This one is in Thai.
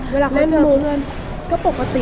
เวลาเขาเจอเพื่อนก็ปกติ